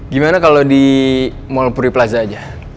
gimana kalau di mall puri plaza aja